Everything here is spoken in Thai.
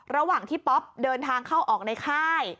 ระหว่างที่ป๊อปเดินทางเข้าออกในค่าย